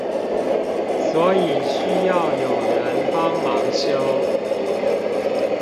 所以需要有人幫忙修